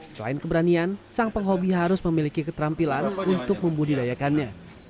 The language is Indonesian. selain keberanian sang penghobi harus memiliki keterampilan untuk membudidayakannya